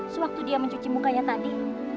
sewaktu dia mencuci mukanya tadi